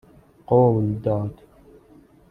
قول داد